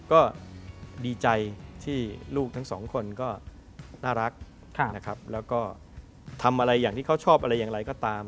ก็ดีใจที่ลูกทั้งสองคนก็น่ารักนะครับแล้วก็ทำอะไรอย่างที่เขาชอบอะไรอย่างไรก็ตาม